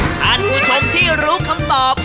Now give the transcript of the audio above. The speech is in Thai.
ท่านผู้ชมที่รู้คำตอบ